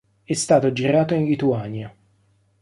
È stato girato in Lituania.